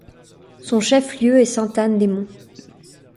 Son chef-lieu est Sainte-Anne-des-Monts.